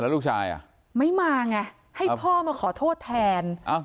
ลูกชายอ่ะไม่มาไงให้พ่อมาขอโทษแทน